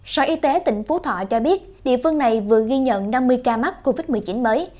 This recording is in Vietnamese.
sở y tế tỉnh phú thọ cho biết địa phương này vừa ghi nhận năm mươi ca mắc covid một mươi chín mới